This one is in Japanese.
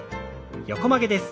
横曲げです。